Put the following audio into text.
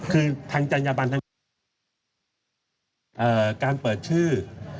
คือทางจัญญาบันทางการเปิดชื่อ